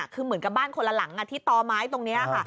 คือเหมือนกับบ้านคนละหลังที่ต่อไม้ตรงนี้ค่ะ